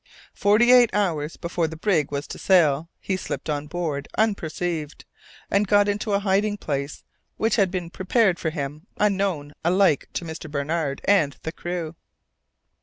Forty eight hours before the brig was to sail, he slipped on board unperceived, and got into a hiding place which had been prepared for him unknown alike to Mr. Barnard and the crew.